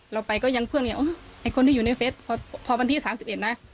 เราไปก็ยังเพื่อนอย่างงี้โอ๊ยไอ้คนที่อยู่ในเฟสพอพันที่สามสิบเอ็ดนะ